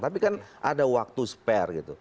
tapi kan ada waktu spare gitu